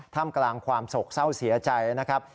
ท่ามกลางความโศกเศร้าเสียใจนะครับ